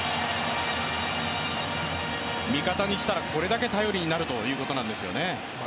味方にしたらこれだけ頼りになるということなんですよね。